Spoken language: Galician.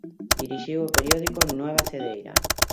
Dirixiu o periódico "Nueva Cedeira".